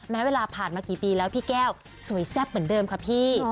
เวลาผ่านมากี่ปีแล้วพี่แก้วสวยแซ่บเหมือนเดิมค่ะพี่